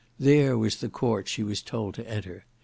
There was the court she was told to enter.